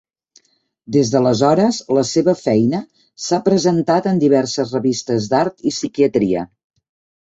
Des d'aleshores la seva feina s'ha presentat en diverses revistes d'art i psiquiatria.